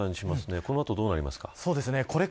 この後、どうなりますか。